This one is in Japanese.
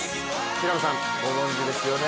平野さん、ご存じですよね